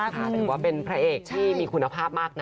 ถือว่าเป็นพระเอกที่มีคุณภาพมากนะ